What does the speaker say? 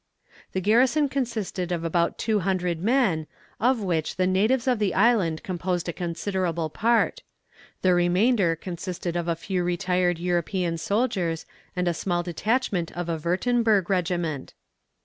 "The garrison consisted of about two hundred men, of which the natives of the island composed a considerable part; the remainder consisted of a few retired European soldiers and a small detachment of a Wurtemberg regiment.